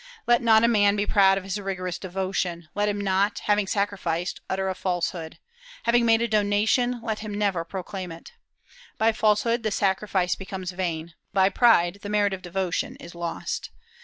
Let not a man be proud of his rigorous devotion; let him not, having sacrificed, utter a falsehood; having made a donation, let him never proclaim it.... By falsehood the sacrifice becomes vain; by pride the merit of devotion is lost....